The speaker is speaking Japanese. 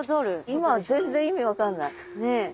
今全然意味分かんない。